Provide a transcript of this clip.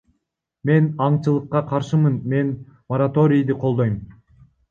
Мен аңчылыкка каршымын, мен мораторийди колдойм.